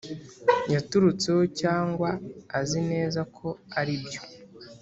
yaturutseho cyangwa azi neza ko aribyo